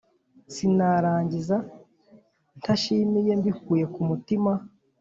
sinarangiza ntashimiye mbikuye ku mutima